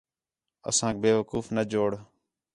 اَسانک بیوقوف نہ بوڑ